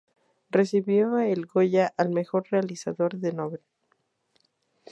Recibió el Goya al mejor realizador novel.